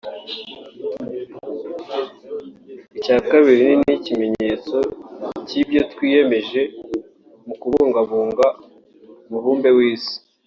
Icya kabiri ni ni ikimenyetso cy’ibyo twiyemeje mu kubungabunga umubumbe w’isi